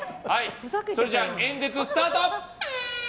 それでは、演説スタート！